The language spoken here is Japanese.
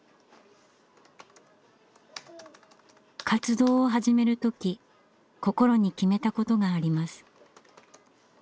活動を始める時心に決めたことがあります。